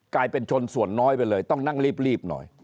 กลายเป็นชนส่วนน้อยไปเลยต้องนั่งรีบหน่อย